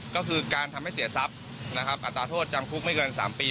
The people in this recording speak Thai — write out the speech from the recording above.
ก็คือการทำให้เสียทรัพย์นะครับอัตราโทษจำคุกไม่เกิน๓ปี